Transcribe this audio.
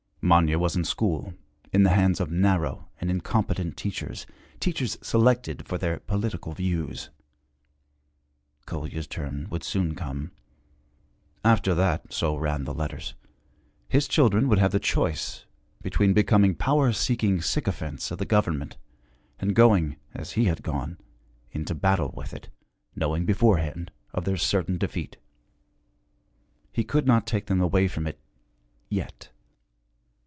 Manya was in school, in the hands of narrow and incompetent teachers, teachers selected for their political views. Kolya's turn would soon come. After that, so ran the letters, his children would have the choice between becoming power seeking sycophants of the government, and going, as he had gone, into battle with it, knowing beforehand of their certain defeat. He could not take them away from it yet.